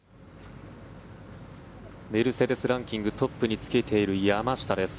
メルセデス・ランキングトップにつけている山下です。